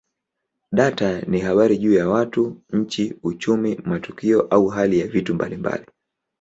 Data ni habari juu ya watu, nchi, uchumi, matukio au hali ya vitu mbalimbali.